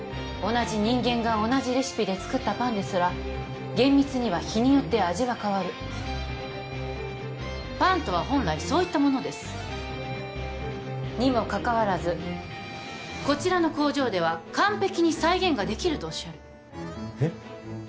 同じ人間が同じレシピで作ったパンですら厳密には日によって味は変わるパンとは本来そういったものですにもかかわらずこちらの工場では完璧に再現ができるとおっしゃるえっ？